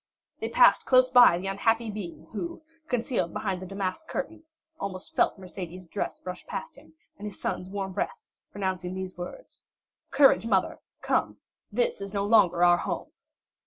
They passed close by the unhappy being, who, concealed behind the damask curtain, almost felt Mercédès dress brush past him, and his son's warm breath, pronouncing these words: "Courage, mother! Come, this is no longer our home!"